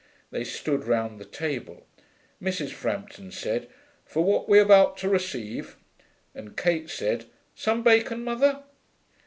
They stood round the table; Mrs. Frampton said, 'For what we are about to receive,' and Kate said, 'Some bacon, mother?'